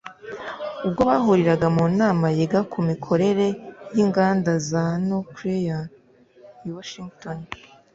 ubwo bahuriraga mu nama yiga ku mikorere y’inganda za “nuclear” i Washington